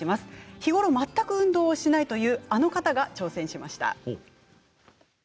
日頃全く運動しないというあの方が挑戦しました。